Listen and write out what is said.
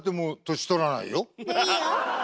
いいよ。